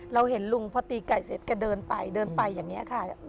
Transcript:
เราเห็นลุงพอตีไก่เสร็จก็เดินไปเดินไปอย่างนี้ค่ะ